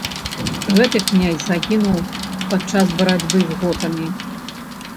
Гэты князь загінуў пад час барацьбы з готамі.